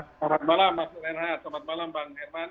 selamat malam mas renhat selamat malam bang herman